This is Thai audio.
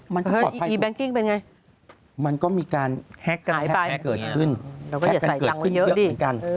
มันก็ก่อดภัยสุดมันก็มีการแฮกกันแฮกเกิดขึ้นแฮกเกิดขึ้นเยอะเหมือนกัน